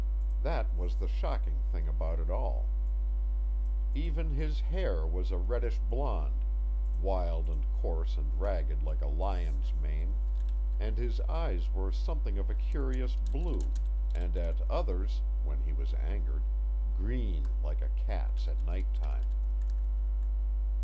That was the shocking thing about it all. Even his hair was a reddish blonde, wild and coarse and ragged like a lion's mane, and his eyes were sometimes of a curious blue, and at others when he was angered green like a cat's at night time.